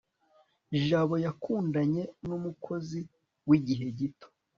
jabo yakundanye numukozi wigihe gito